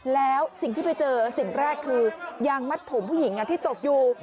แล้วสิ่งที่ไปเจอสิ่งแรกคือยางมัดผมผู้หญิงที่ตกอยู่